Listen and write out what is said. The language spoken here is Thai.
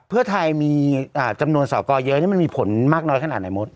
เพื่อไทยมีจำนวนสอกรเยอะนี่มันมีผลมากน้อยขนาดไหนมด